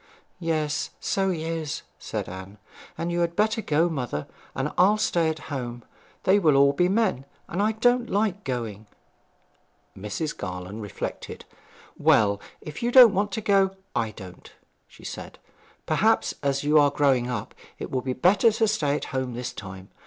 'Yes, so he is,' said Anne. 'And you had better go, mother; and I'll stay at home. They will be all men; and I don't like going.' Mrs. Garland reflected. 'Well, if you don't want to go, I don't,' she said. 'Perhaps, as you are growing up, it would be better to stay at home this time.